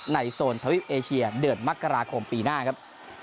โซนทวิปเอเชียเดือนมกราคมปีหน้าครับ